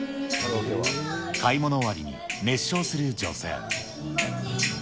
買い物終わりに熱唱する女性。